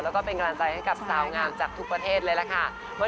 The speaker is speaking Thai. แล้วก็เป็นกำลังใจให้กับสาวงามจากทุกประเทศเลยล่ะค่ะ